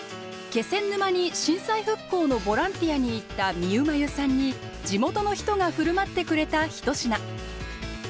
気仙沼に震災復興のボランティアに行ったみゆまゆさんに地元の人が振る舞ってくれた一品。